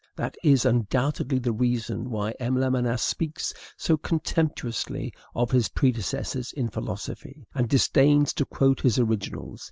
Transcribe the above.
That is undoubtedly the reason why M. Lamennais speaks so contemptuously of his predecessors in philosophy, and disdains to quote his originals.